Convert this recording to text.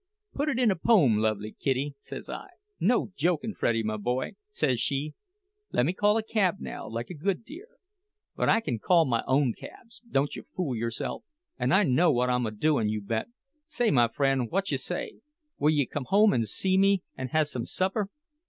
'Put it in a pome, lovely Kitty,' says I. 'No jokin', Freddie, my boy,' says she. 'Lemme call a cab now, like a good dear'—but I can call my own cabs, dontcha fool yourself—and I know what I'm a doin', you bet! Say, my fren', whatcha say—willye come home an' see me, an' hassome supper?